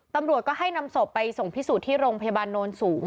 ตำรวจก็ให้นำศพไปส่งพิสูจน์ที่โรงพยาบาลโนนสูง